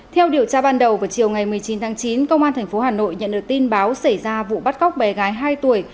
theo điều tra ban đầu vào chiều ngày một mươi chín tháng chín công an tp hà nội nhận được tin báo xảy ra vụ bắt cóc bé gái hai tuổi